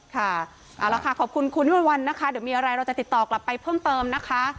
ค่ะเอาละค่ะขอบคุณคุณวิมวลวันนะคะเดี๋ยวมีอะไรเราจะติดต่อกลับไปเพิ่มเติมนะคะ